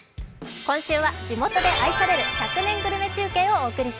今週は地元で愛される１００年グルメ中継です。